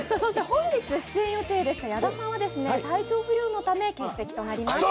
本日出演予定でした矢田さんは体調不良のため欠席となります。